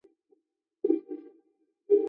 Hatua za kufuata kupika maandazi ya viazi lishe